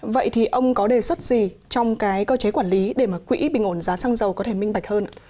vậy thì ông có đề xuất gì trong cái cơ chế quản lý để mà quỹ bình ổn giá xăng dầu có thể minh bạch hơn